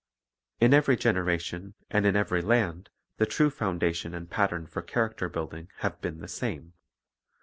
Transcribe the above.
In every generation and in every land the true foun dation and pattern for character building have been the same.